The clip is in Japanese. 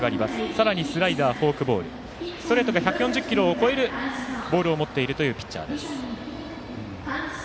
さらにスライダー、フォークボールストレートが１４０キロを超えるボールを持っているというピッチャーです。